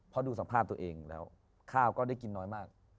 เพราะดูสภาพตัวเองแล้วข้าวก็ได้กินน้อยมาก